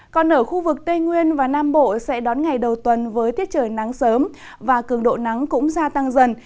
còn ở khu vực tây nguyên và nam bộ sẽ đón ngày đầu tuần với tiết trời nắng sớm và cường độ nắng cũng gia tăng dần